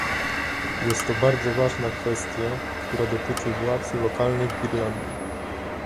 Jest to bardzo ważna kwestia, która dotyczy władz lokalnych w Irlandii